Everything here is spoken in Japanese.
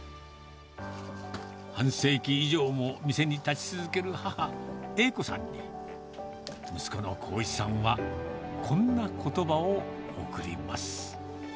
半世紀以上も店に立ち続ける母、栄子さんに、息子の耕一さんは、こんなことばを送ります。